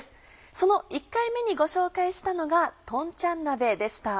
その１回目にご紹介したのが「とんちゃん鍋」でした。